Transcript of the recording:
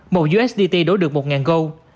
một usdt đối được một gold